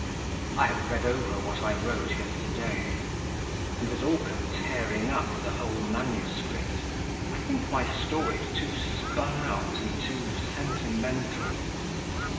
_ I have read over what I wrote yesterday, and was all but tearing up the whole manuscript. I think my story's too spun out and too sentimental.